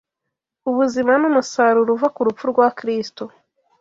ubuzima ni umusaruro uva ku rupfu rwa Kristo